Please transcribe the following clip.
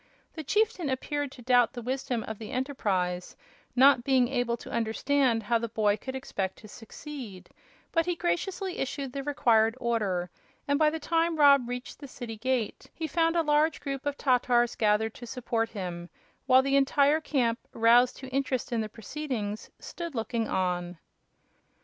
The chieftain appeared to doubt the wisdom of the enterprise, not being able to understand how the boy could expect to succeed; but he graciously issued the required order, and by the time Rob reached the city gate he found a large group of Tatars gathered to support him, while the entire camp, roused to interest in the proceedings, stood looking on.